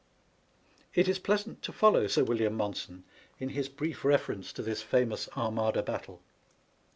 It is pleasant to follow Sir William Monson in his brief reference to this famous Armada battle.